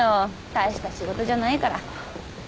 大した仕事じゃないから。